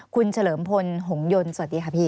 คุณเฉลิมพลหงยนต์สวัสดีค่ะพี่